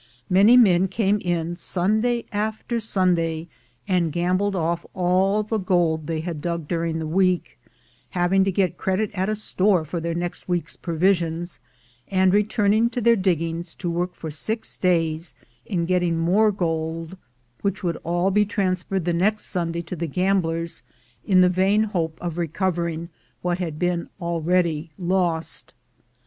Many men came in, Sunday after Sunday, and gam bled off all the gold they had dug during the week, having to get credit at a store for their next week's provisions, and returning to their diggings to work for six days in getting more gold, which would all be 122 THE GOLD HUNTERS transferred the next Sunday to the gamblers, in the vain hope of recovering what had been already lost.